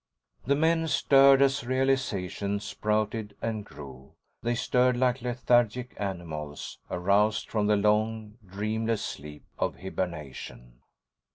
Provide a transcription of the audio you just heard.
The men stirred as realization sprouted and grew. They stirred like lethargic animals aroused from the long, dreamless sleep of hibernation.